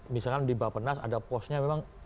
misalkan di bapenas ada posnya memang